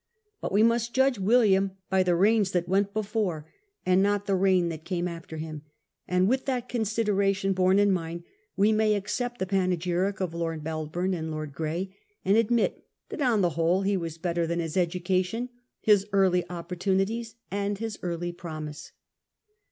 But we must judge William by the reigns that went before, and not the reign that came after him ; and, with that considera ration borne in mind, we may accept the panegyric of Lord Melbourne and of Lord Grey, and admit that on the whole he was better than his education, his early opportunities, and his early promise.